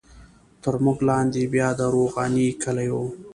تر موږ لاندې بیا د روغاني کلی وو.